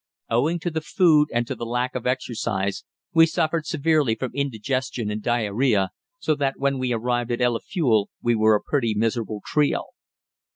Owing to the food and to lack of exercise we suffered severely from indigestion and diarrhoea, so that when we arrived at El Afule we were a pretty miserable trio.